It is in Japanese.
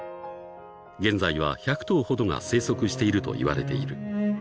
［現在は１００頭ほどが生息しているといわれている］